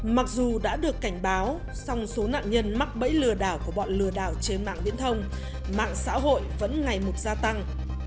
mặc dù đã được cảnh báo song số nạn nhân mắc bẫy lừa đảo của bọn lừa đảo trên mạng viễn thông mạng xã hội vẫn ngày một gia tăng